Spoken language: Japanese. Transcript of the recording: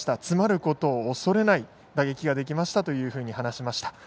詰まることを恐れない打撃ができましたと話しました。